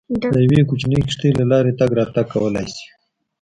د یوې کوچنۍ کښتۍ له لارې تګ راتګ کولای شي.